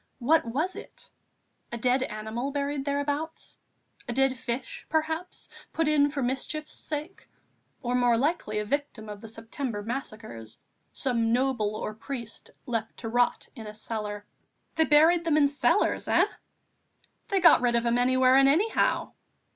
What was it? a dead animal buried thereabouts, a dead fish, perhaps, put in for mischief's sake, or more likely a victim of the September massacres, some noble or priest, left to rot in a cellar. "They buried them in cellars, eh?" "They got rid of 'em anywhere and anyhow."